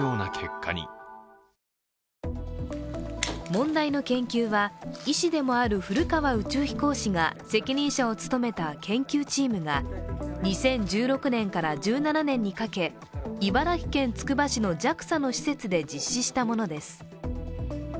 問題の研究は医師でもある古川宇宙飛行士が責任者を務めた研究チームが２０１６年から１７年にかけ、茨城県つくば市のＪＡＸＡの施設で実施したものです。